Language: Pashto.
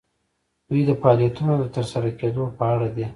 دوی د فعالیتونو د ترسره کیدو په اړه دي.